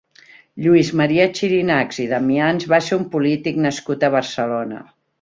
Lluís Maria Xirinacs i Damians va ser un polític nascut a Barcelona.